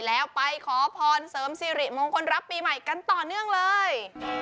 แล้วไปขอพรเสริมสิริมงคลรับปีใหม่กันต่อเนื่องเลย